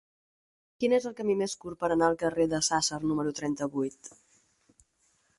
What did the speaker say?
Quin és el camí més curt per anar al carrer de Sàsser número trenta-vuit?